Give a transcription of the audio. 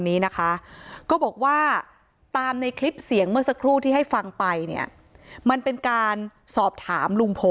นี่นะคะนายนารินคนนี้นะคะ